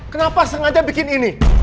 kenapa sengaja bikin ini